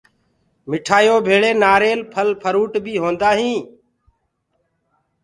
مٺآيو ڀيݪی نآريل ڦل ڦروٚ بي هوندآ هينٚ۔